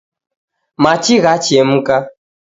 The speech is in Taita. Machi ghachemka.